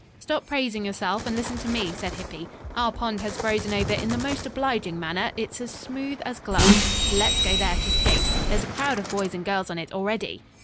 "Stop praising yourself and listen to me," said Hippy. "Our pond has frozen over in the most obliging manner. It's as smooth as glass. Let's go there to skate. There's a crowd of boys and girls on it already."